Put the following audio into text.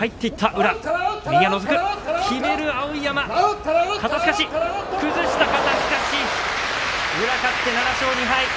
宇良、勝って７勝２敗。